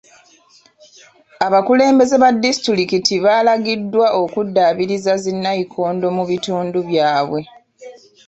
Abakulembeze ba disitulikiti baalagiddwa okuddaabiriza zi nnayikondo mu bitundu byabwe.